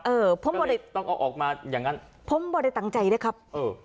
เออต้องเอาออกมาอย่างงั้นผมไม่ได้ตั้งใจนะครับเออ